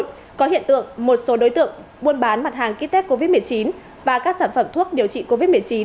hiện tượng một số đối tượng buôn bán mặt hàng ký tết covid một mươi chín và các sản phẩm thuốc điều trị covid một mươi chín